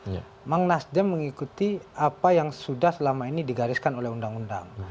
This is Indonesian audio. memang nasdem mengikuti apa yang sudah selama ini digariskan oleh undang undang